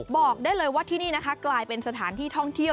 บอกได้เลยว่าที่นี่นะคะกลายเป็นสถานที่ท่องเที่ยว